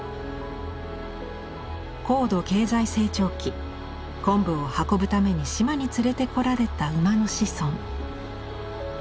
高度経済成長期昆布を運ぶために島に連れてこられた馬の子孫。